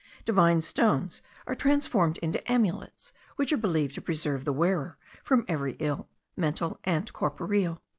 Divine stones are transformed into amulets, which are believed to preserve the wearer from every ill, mental and corporeal.